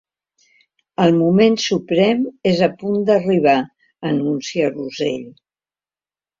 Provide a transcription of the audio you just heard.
El moment suprem és a punt d'arribar —anuncia Russell.